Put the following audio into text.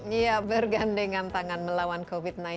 ya bergandengan tangan melawan covid sembilan belas ya